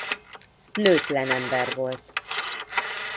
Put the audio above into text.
Nőtlen ember volt.